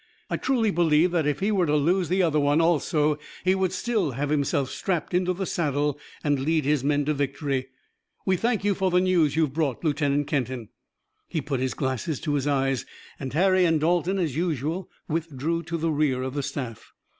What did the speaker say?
I truly believe that if he were to lose the other one also he would still have himself strapped into the saddle and lead his men to victory. We thank you for the news you have brought, Lieutenant Kenton." He put his glasses to his eyes and Harry and Dalton as usual withdrew to the rear of the staff.